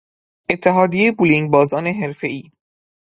اتحادیهی بولینگبازان حرفهای